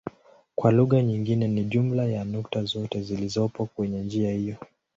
Kwa lugha nyingine ni jumla ya nukta zote zilizopo kwenye njia hiyo.